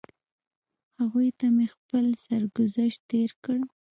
هغوی ته مې خپل سرګذشت تېر کړ.